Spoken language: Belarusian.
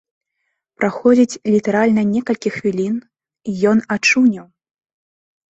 Праходзіць літаральна некалькі хвілін, і ён ачуняў!